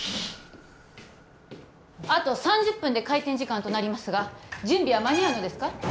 あと３０分で開店時間となりますが準備は間に合うのですか？